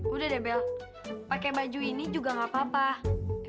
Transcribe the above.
udah deh bel pakai baju ini juga gak apa apa